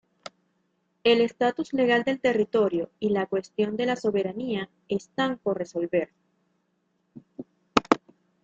El estatus legal del territorio y la cuestión de la soberanía están por resolver.